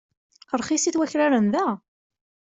Rxisit wakraren da.